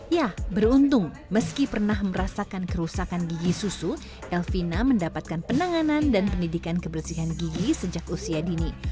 ya beruntung meski pernah merasakan kerusakan gigi susu elvina mendapatkan penanganan dan pendidikan kebersihan gigi sejak usia dini